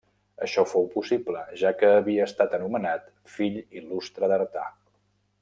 Això fou possible, ja que havia estat anomenat Fill Il·lustre d'Artà.